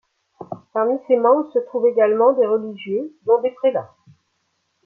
Parmi ses membres se trouvent également des religieux dont des prélats.